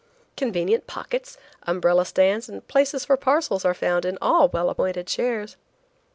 Convenient pockets, umbrella stands and places for parcels are found in all well appointed chairs.